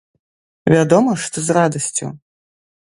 Вядома, што з радасцю.